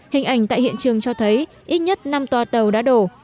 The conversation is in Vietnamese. hình ảnh tại hiện trường cho thấy ít nhất năm toa tàu đã đổ